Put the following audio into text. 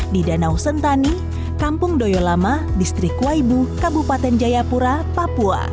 di danau sentani kampung doyolama distrik waibu kabupaten jayapura papua